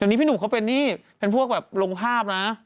ตอนนี้พี่หนุ่มเขาเป็นพวกลงภาพนะ